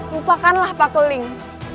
lupakanlah pak keling